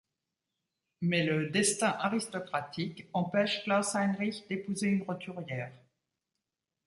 Mais le destin aristocratique empêche Klaus Heinrich d'épouser une roturière.